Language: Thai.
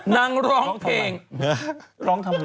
นางร้องเพลง